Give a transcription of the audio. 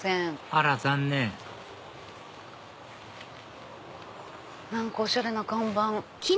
あら残念何かおしゃれな看板！